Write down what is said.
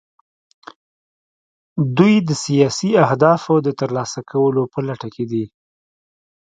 دوی د سیاسي اهدافو د ترلاسه کولو په لټه کې دي